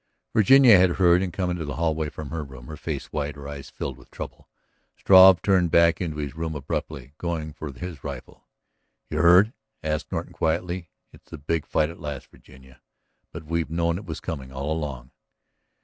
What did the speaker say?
Virginia had heard and came into the hallway from her room, her face white, her eyes filled with trouble. Struve turned back into his room abruptly, going for his rifle. "You heard?" asked Norton quietly. "It's the big fight at last, Virginia. But we've known it was coming all along."